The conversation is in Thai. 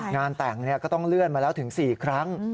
งานแต่งก็ต้องเลื่อนมาแล้วถึง๔ครั้ง